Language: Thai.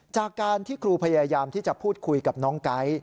จากการที่ครูพยายามที่จะพูดคุยกับน้องไก๊